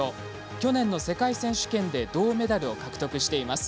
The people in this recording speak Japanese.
去年の世界選手権で銅メダルを獲得しています。